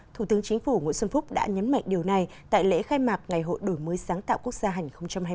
thủ tướng chính phủ nguyễn xuân phúc đã nhấn mạnh điều này tại lễ khai mạc ngày hội đổi mới sáng tạo quốc gia hành hai mươi